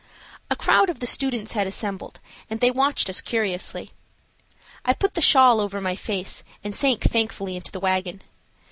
A crowd of the students had assembled, and they watched us curiously. I put the shawl over my face, and sank thankfully into the wagon.